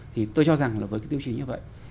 thì tôi cho rằng là với cái tiêu chí như vậy